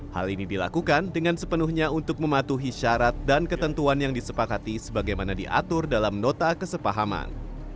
hal ini dilakukan dengan sepenuhnya untuk mematuhi syarat dan ketentuan yang disepakati sebagaimana diatur dalam nota kesepahaman